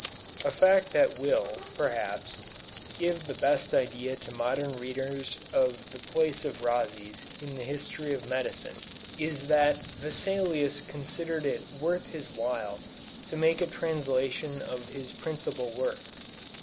A fact that will, perhaps, give the best idea to modern readers of the place of Rhazes in the history of medicine is that Vesalius considered it worth his while to make a translation of his principal work.